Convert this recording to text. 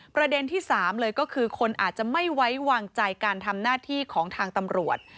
ประเด็นที่๓เลยก็คือคนอาจจะไม่ไว้วางใจการทำหน้าที่ของทางตำรวจ